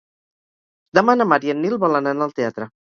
Demà na Mar i en Nil volen anar al teatre.